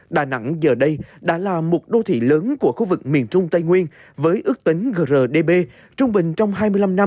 đà nẵng giờ đây đã là một đô thị lớn của khu vực miền trung tây nguyên với ước tính grdb trung bình trong hai mươi năm năm tăng khoảng chín một năm